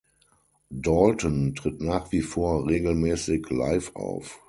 Dalton tritt nach wie vor regelmäßig live auf.